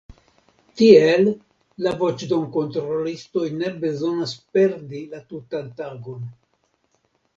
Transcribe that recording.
Tiel la voĉdonkontrolistoj ne bezonas perdi la tutan tagon.